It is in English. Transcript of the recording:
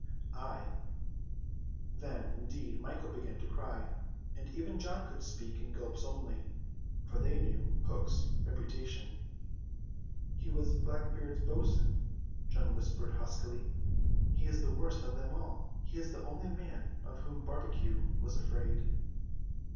"Ay." Then indeed Michael began to cry, and even John could speak in gulps only, for they knew Hook's reputation. "He was Blackbeard's bo'sun," John whispered huskily. "He is the worst of them all. He is the only man of whom Barbecue was afraid."